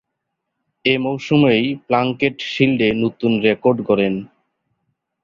এ মৌসুমেই প্লাঙ্কেট শীল্ডে নতুন রেকর্ড গড়েন।